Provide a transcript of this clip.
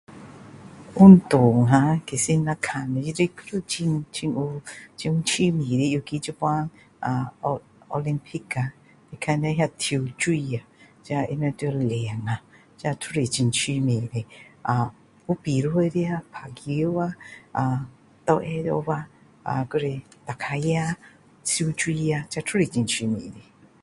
运动吖其实若玩的有很有很有有趣的尤其现在呃 oOlympic 呀你看那跳水啊这他们要练啊这都是很有趣的啊有比赛的打球啊啊斗会跑啊还是骑脚车游泳这都是很有趣的